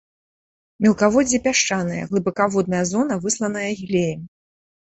Мелкаводдзе пясчанае, глыбакаводная зона высланая глеем.